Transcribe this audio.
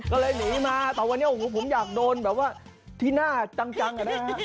ก็เลยหนีมาแต่วันนี้ผมอยากโดนที่หน้าจังอย่างนี้